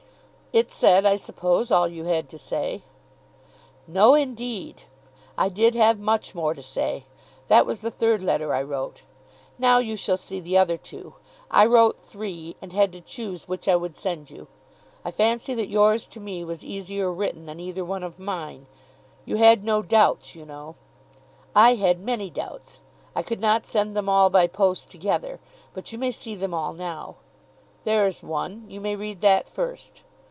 "It said, I suppose, all you had to say." "No, indeed. I did have much more to say. That was the third letter I wrote. Now you shall see the other two. I wrote three, and had to choose which I would send you. I fancy that yours to me was easier written than either one of mine. You had no doubts, you know. I had many doubts. I could not send them all by post, together. But you may see them all now. There is one. You may read that first.